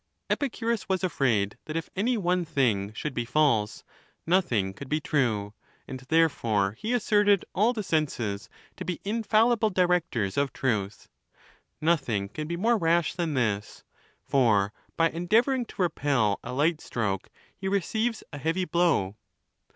Epicurus was afraid that if any one thing seen should be false, nothing could be true ; and therefore he asserted all the senses to be infallible directors of truth. Nothing can be more rash than this ; for by en deavoring to repel alight stroke, he receives a heavy blow.